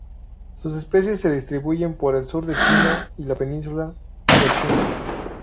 Sus especies se distribuyen por el sur de China y la península Indochina.